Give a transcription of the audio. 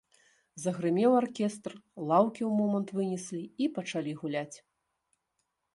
Загрымеў аркестр, лаўкі ў момант вынеслі і пачалі гуляць.